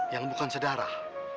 yang bukan sedarah